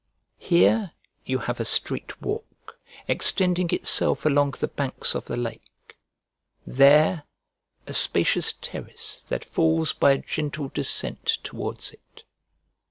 Here you have a strait walk extending itself along the banks of the lake; there, a spacious terrace that falls by a gentle descent towards it.